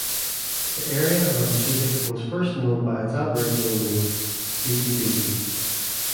The area around Chiswick was first known by its Aboriginal name Bigi Bigi.